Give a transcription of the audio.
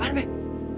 suara apaan be